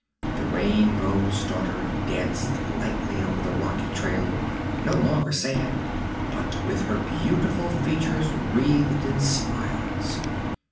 The Rainbow's Daughter danced lightly over the rocky trail, no longer sad, but with her beautiful features wreathed in smiles.